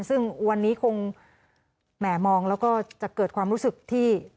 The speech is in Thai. ซึ่งวันนี้คงแหม่มองแล้วก็จะเกิดความรู้สึกที่